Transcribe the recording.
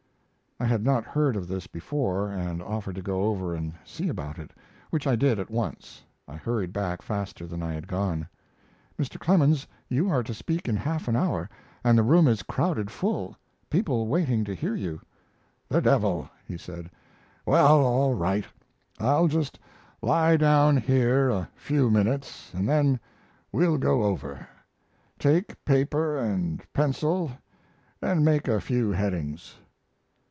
I had not heard of this before, and offered to go over and see about it, which I did at once. I hurried back faster than I had gone. "Mr. Clemens, you are to speak in half an hour, and the room is crowded full; people waiting to hear you." "The devil!" he said. "Well, all right; I'll just lie down here a few minutes and then we'll go over. Take paper and pencil and make a few headings."